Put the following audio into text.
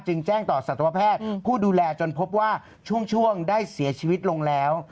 แจ้งต่อสัตวแพทย์ผู้ดูแลจนพบว่าช่วงได้เสียชีวิตลงแล้ว